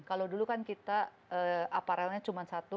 kalau dulu kan kita aparelnya cuma satu